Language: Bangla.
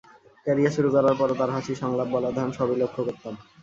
ক্যারিয়ার শুরু করার পরও তাঁর হাসি, সংলাপ বলার ধরন—সবই লক্ষ করতাম।